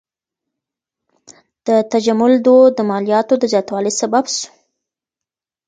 د تجمل دود د مالیاتو د زیاتوالي سبب سو.